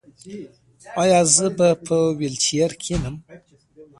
ایا زه به په ویلچیر کینم؟